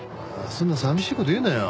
そんな寂しい事言うなよ。